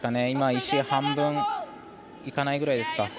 今、石半分行かないぐらいですか。